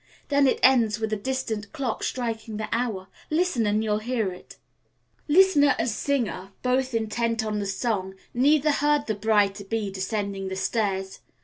Then it ends with a distant clock striking the hour. Listen and you'll hear it." Listener and singer both intent on the song, neither heard the bride to be descending the stairs.